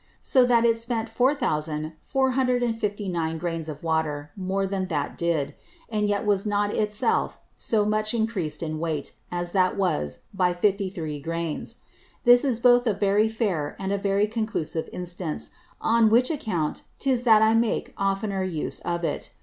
So that it spent 4459 Grains of Water more than that did; and yet was not it self so much increased in weight, as that was, by 53 Grains. This is both a very fair, and a very conclusive Instance; on which Account 'tis that I make oftner use of it.